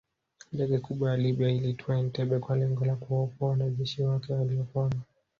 Ndege kubwa ya Libya ilitua Entebbe kwa lengo la kuwaokoa wanajeshi wake waliokwama